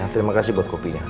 terima kasih buat kopinya